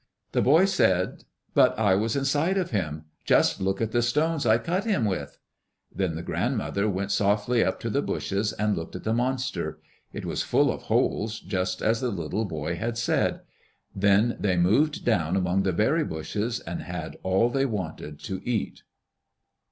The boy said, "But I was inside of him, just look at the stones I cut him with." Then the grandmother went softly up to the bushes, and looked at the monster. It was full of holes, just as the little boy had said. Then they moved down among the berry bushes and had all they wanted to eat.